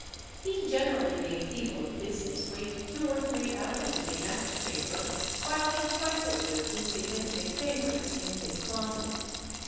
He generally made people of business wait two or three hours in the ante chamber while he trifled with insignificant favourites in his closet.